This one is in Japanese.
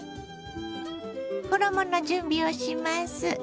衣の準備をします。